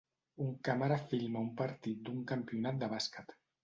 Un càmera filma un partit d'un campionat de bàsquet.